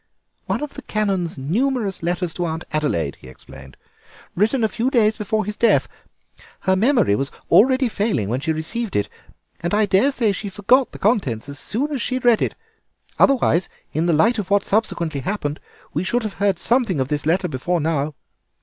"One of the Canon's numerous letters to Aunt Adelaide," he explained, "written a few days before his death. Her memory was already failing when she received it, and I daresay she forgot the contents as soon as she had read it; otherwise, in the light of what subsequently happened, we should have heard something of this letter before now.